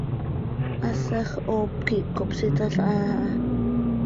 Hasaj hoop quih cohpsitalhaa aha.